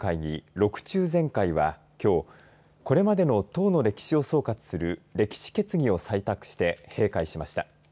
６中全会はきょうこれまでの党の歴史を総括する歴史決議を採択して閉会しました。